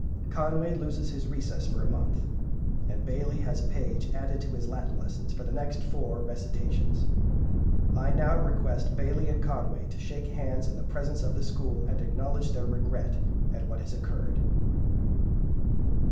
Conway loses his recess for a month, and Bailey has a page added to his Latin lessons for the next four recitations. I now request Bailey and Conway to shake hands in the presence of the school, and acknowledge their regret at what has occurred."